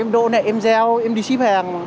em độ nẹ em gieo em đi ship hàng